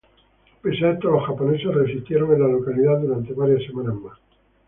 Pese a esto, los japoneses resistieron en la localidad durante varias semanas más.